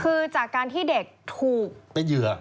คือจากการที่เด็กถูกเป็นเหยื่อ